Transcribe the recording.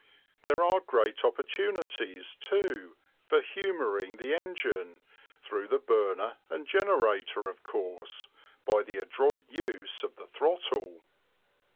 There are great opportunities, too, for humouring the engine, through the burner and generator of course, by the adroit use of the throttle.